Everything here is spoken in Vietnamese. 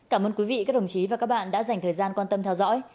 cảm ơn quý vị các đồng chí và các bạn đã dành thời gian quan tâm theo dõi